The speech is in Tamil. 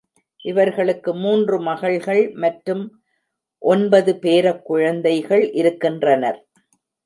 இவர்களுக்கு மூன்று மகள்கள் மற்றும் ஒன்பது பேரக்குழந்தைகள் இருக்கின்றனர்.